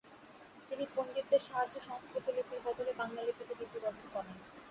তিনি পণ্ডিতদের সাহায্যে সংস্কৃত লিপির বদলে বাংলা লিপিতে লিপিবদ্ধ করান।